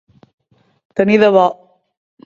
Tenir de bo.